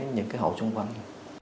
những cái hộ xung quanh